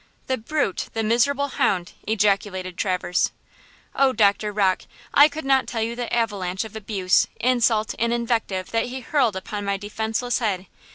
"The brute! the miserable hound!" ejaculated Traverse. "Oh, Doctor Rocke, I could not tell you the avalanche of abuse, insult and invective that he hurled upon my defenseless head.